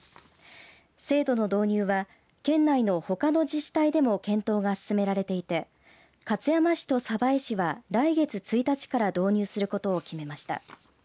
制度の導入は県内のほかの自治体でも検討が進められていて勝山市と鯖江市は来月１日から導入することを決めました。